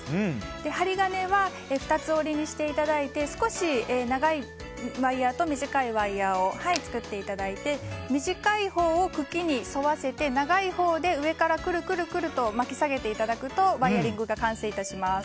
針金は２つ折りにしていただいて少し長いワイヤと短いワイヤを作っていただいて短いほうを茎に沿わせて長いほうで上からくるくると巻き下げていただくとワイヤリングが完成します。